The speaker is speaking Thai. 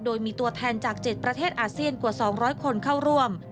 โดยมีตัวแทนจาก๗ประเทศอาเซียนกว่า๒๐๐คนเข้าร่วม